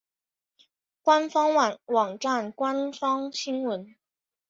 官方网站官方新闻